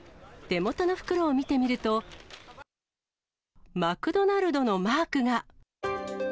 手元の袋を見てみると、マクドナルドのマークが。